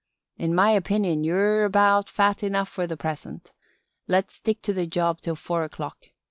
In my opinion you're about fat enough for the present. Let's stick to the job till four o'clock.